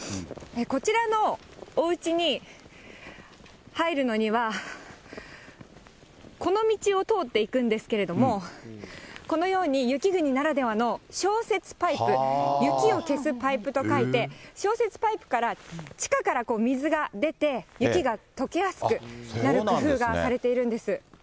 こちらのおうちに入るのには、この道を通っていくんですけれども、このように雪国ならではの消雪パイプ、雪を消すパイプと書いて、消雪パイプから地下から水が出て、雪がとけやすくなる工夫がされているんです。